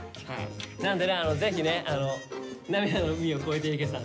なんでぜひねナミダの海を越えていけさん